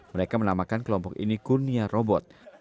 mereka menamakan kelompok ini kurnia robot